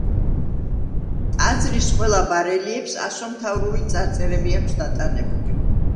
ტაძრის ყველა ბარელიეფს ასომთავრული წარწერები აქვს დატანებული.